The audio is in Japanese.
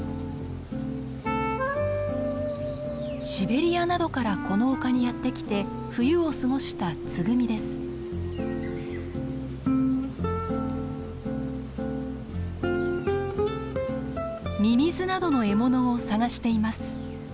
シベリアなどからこの丘にやって来て冬を過ごしたミミズなどの獲物を探しています。